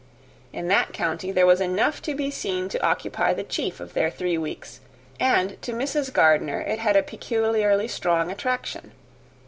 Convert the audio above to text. In that county there was enough to be seen to occupy the chief of their three weeks; and to Mrs. Gardiner it had a peculiarly strong attraction.